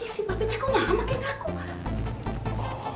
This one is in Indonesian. si papi teh kok mah makin laku